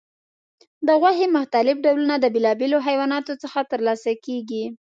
د غوښې مختلف ډولونه د بیلابیلو حیواناتو څخه ترلاسه کېږي.